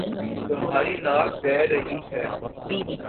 تمہاری ناک بہ رہی ہے